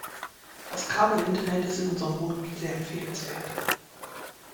Das Kabelinternet ist in unserem Wohngebiet sehr empfehlenswert.